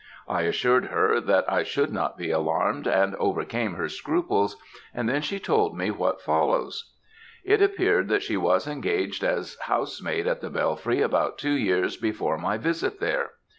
I assured her that I should not be alarmed, and overcame her scruples, and then she told me what follows. "It appeared that she was engaged as housemaid at the Bellfry about two years before my visit there.